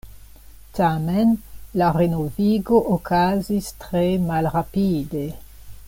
Tamen la renovigo okazis tre malrapide.